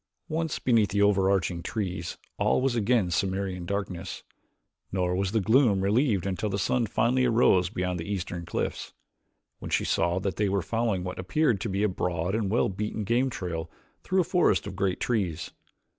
Once beneath the over arching trees all was again Cimmerian darkness, nor was the gloom relieved until the sun finally arose beyond the eastern cliffs, when she saw that they were following what appeared to be a broad and well beaten game trail through a forest of great trees.